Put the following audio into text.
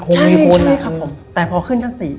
ใช่ครับผมแต่พอขึ้นชั้น๔